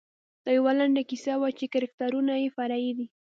دا یوه لنډه کیسه وه چې کرکټرونه یې فرعي دي.